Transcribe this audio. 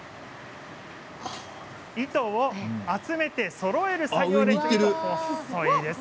糸を集めてそろえる作業です。